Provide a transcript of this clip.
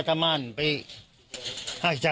พวกมันก็ทำไม่รู้ครับ